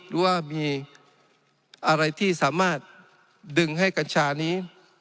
หรือว่ามีอะไรที่สามารถดึงให้กัญชานี้